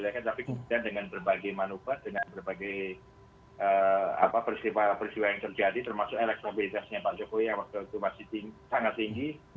tapi kemudian dengan berbagai manuver dengan berbagai peristiwa peristiwa yang terjadi termasuk elektabilitasnya pak jokowi yang waktu itu masih sangat tinggi